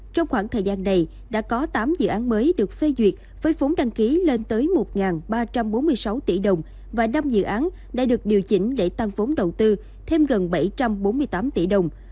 trong khoảng thời gian này đã có tám dự án mới được phê duyệt với vốn đăng ký lên tới một ba trăm bốn mươi sáu tỷ đồng và năm dự án đã được điều chỉnh để tăng vốn đầu tư thêm gần bảy trăm bốn mươi tám tỷ đồng